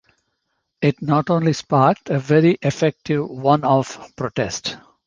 It not only sparked a very effective one-off protest.